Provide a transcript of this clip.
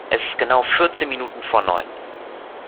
Es ist genau vierzehn Minuten vor neun!